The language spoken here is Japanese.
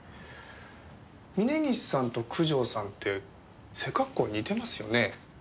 峰岸さんと九条さんって背格好似てますよね？